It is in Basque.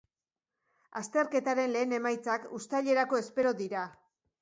Azterketaren lehen emaitzak, uztailerako espero dira.